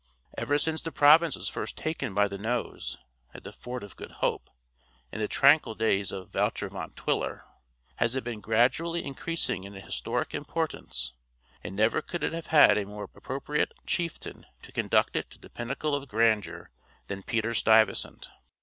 Ever since the province was first taken by the nose, at the Fort of Good Hope, in the tranquil days of Wouter Van Twiller, has it been gradually increasing in historic importance: and never could it have had a more appropriate chieftain to conduct it to the pinnacle of grandeur than Peter Stuyvesant.